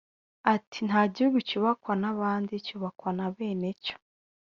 Ati “ Nta gihugu cyubakwa n’abandi cyubakwa na bene cyo